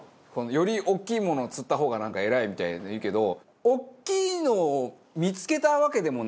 より大きいものを釣った方がなんか偉いみたいに言うけど。